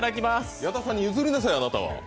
矢田さんに譲りなさい、あなた！